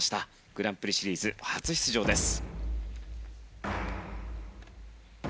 グランプリシリーズ初出場です。